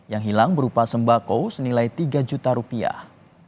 yang hilang berupa sembako senilai tiga juta rupiah